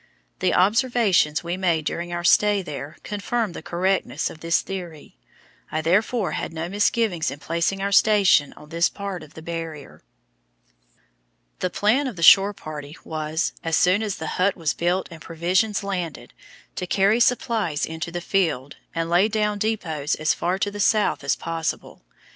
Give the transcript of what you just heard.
The observations we made during our stay there confirm the correctness of this theory. I therefore had no misgivings in placing our station on this part of the Barrier. The plan of the shore party was, as soon as the hut was built and provisions landed, to carry supplies into the field, and lay down depots as far to the south as possible.